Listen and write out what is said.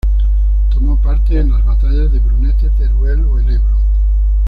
Tomó parte en las batallas de Brunete, Teruel o el Ebro.